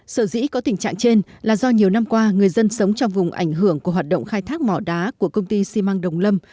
sở dĩ có tình trạng trên là do nhiều năm qua người dân sống trong vùng ảnh hưởng của hoạt động khai thác mỏ đá của công ty xi măng đồng lâm